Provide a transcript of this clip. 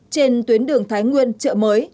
trên tuyến đường thái nguyên trợ mới